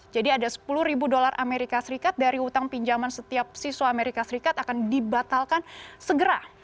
jadi ada sepuluh ribu dolar amerika serikat dari utang pinjaman setiap siswa amerika serikat akan dibatalkan segera